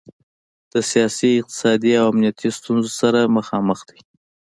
د سیاسي، اقتصادي او امنیتي ستونخو سره مخامخ دی.